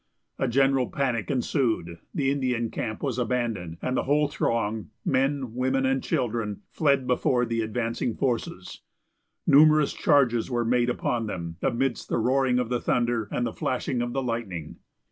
A general panic ensued, the Indian camp was abandoned, and the whole throng, men, women and children, fled before the advancing forces. Numerous charges were made upon them, amidst the roaring of the thunder and the flashing of the lightning.